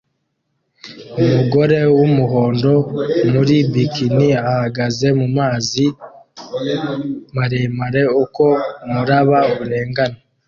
Umugore wumuhondo muri bikini ahagaze mumazi maremare uko umuraba urengana